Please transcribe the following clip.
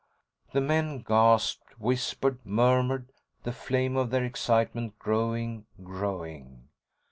The men gasped, whispered, murmured, the flame of their excitement growing, growing.